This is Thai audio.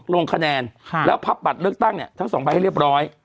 ลงคะแนนแล้วพับบัตรเลือกตั้งเนี่ยทั้งสองใบให้เรียบร้อย